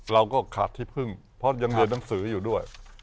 เราก็ขาดที่พึ่งเพราะยังเรียนหนังสืออยู่ด้วย